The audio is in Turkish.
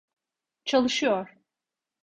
Çalışıyor.